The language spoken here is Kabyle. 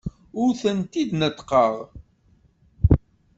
Ur tent-id-neṭṭqeɣ.